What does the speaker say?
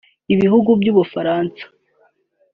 Ibihugu by’Ubufaransa